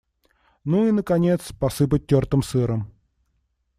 Ну и, наконец, посыпать тёртым сыром.